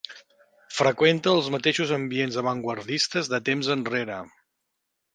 Freqüenta els mateixos ambients avantguardistes de temps enrere.